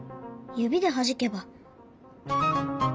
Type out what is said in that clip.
指ではじけば。